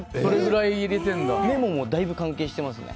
メモもだいぶ関係してますね。